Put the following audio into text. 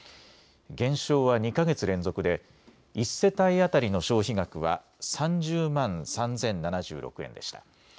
減少は２か月連続で１世帯当たりの消費額は３０万３０７６円でした。